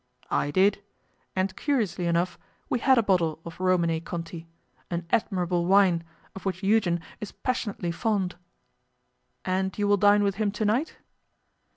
'I did. And curiously enough we had a bottle of Romanée Conti, an admirable wine, of which Eugen is passionately fond.' 'And you will dine with him to night?